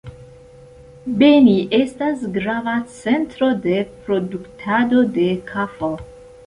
Beni estas grava centro de produktado de kafo.